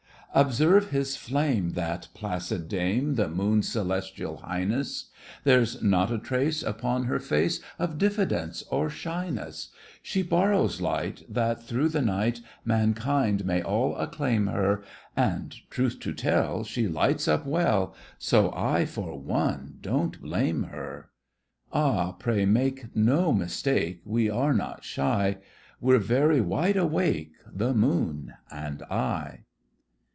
Observe his flame, That placid dame, The moon's Celestial Highness; There's not a trace Upon her face Of diffidence or shyness: She borrows light That, through the night, Mankind may all acclaim her! And, truth to tell, She lights up well, So I, for one, don't blame her! Ah, pray make no mistake, We are not shy; We're very wide awake, The moon and I!